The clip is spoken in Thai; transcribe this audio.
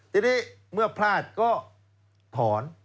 ทีนี้เมื่อพลาดก็ถอน